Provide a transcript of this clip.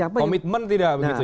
komitmen tidak begitu ya